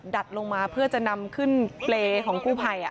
ดัดลงมาเพื่อจะนำขึ้นเปรย์ของกู้ภัย